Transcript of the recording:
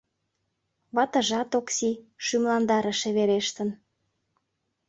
Ватыжат, Окси, шӱмландарыше верештын.